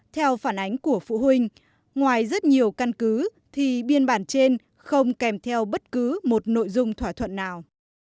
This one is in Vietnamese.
theo phản ánh của phụ huynh ngoài rất nhiều căn cứ thì biên bản trên không kèm theo bất cứ một nội dung thỏa thuận nào